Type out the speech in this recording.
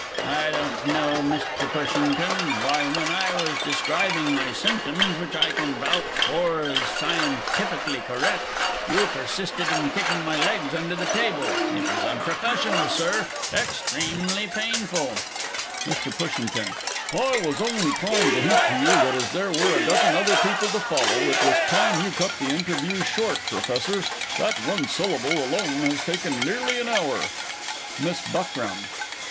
I don't know, Mr. Pushington, why, when I was describing my symptoms which I can vouch for as scientifically correct you persisted in kicking my legs under the table it was unprofessional, Sir, and extremely painful! MR. PUSHINGTON. I was only trying to hint to you that as there were a dozen other people to follow, it was time you cut the interview short, Professor that one syllable alone has taken nearly an hour. MISS BUCKRAM.